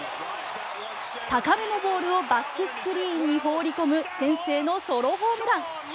高めのボールをバックスクリーンに放り込む先制のソロホームラン。